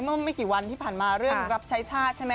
เมื่อไม่กี่วันที่ผ่านมาเรื่องรับใช้ชาติใช่ไหม